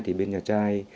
thì bên nhà trai